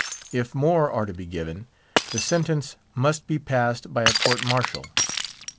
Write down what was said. If more are to be given, the sentence must be passed by a Court martial.